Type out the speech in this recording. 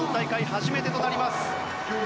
初めてとなります。